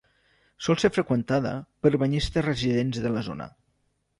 Sol ser freqüentada per banyistes residents de la zona.